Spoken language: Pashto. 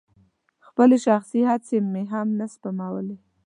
خپلې شخصي هڅې مې هم نه سپمولې.